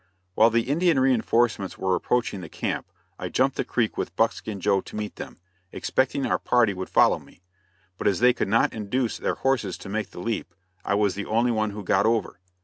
While the Indian reinforcements were approaching the camp I jumped the creek with Buckskin Joe to meet them, expecting our party would follow me; but as they could not induce their horses to make the leap, I was the only one who got over.